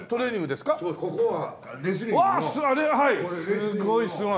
すごいすごい。